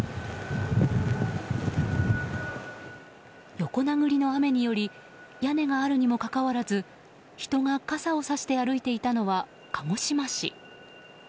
横殴りの雨により屋根があるにもかかわらず人が傘をさして歩いていたのは鹿児島市。